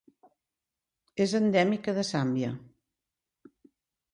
És endèmica de Zàmbia.